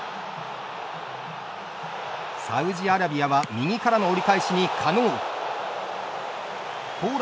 サウジアラビアは右からの折り返しにカノー。